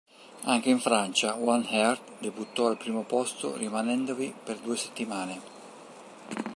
Anche in Francia, "One Heart" debuttò al primo posto rimanendovi per due settimane.